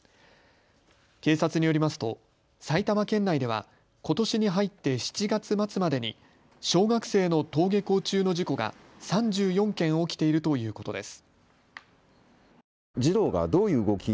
警察によりますと埼玉県内ではことしに入って７月末までに小学生の登下校中の事故が３４件起きているということです。